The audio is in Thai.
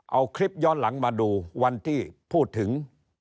เอาคลิปย้อนหลังมาดูวันที่พูดถึง